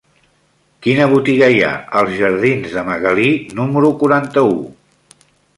Quina botiga hi ha als jardins de Magalí número quaranta-u?